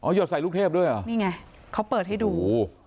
หดใส่ลูกเทพด้วยเหรอนี่ไงเขาเปิดให้ดู